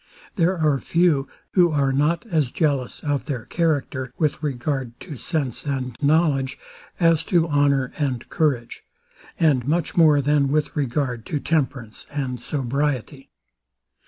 There are few, who are not as jealous of their character, with regard to sense and knowledge, as to honour and courage; and much more than with regard to temperance and sobriety.